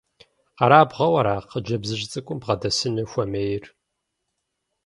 Къэрабгъэу ара хъыджэбзыжь цӀыкӀум бгъэдэсыну хуэмейр?